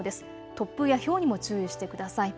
突風やひょうにも注意をしてください。